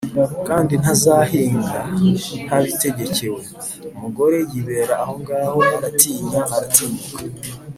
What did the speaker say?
kandi ntazahinga ntabitegekewe." Umugore yibera ahongaho, aratinya, aratinyuka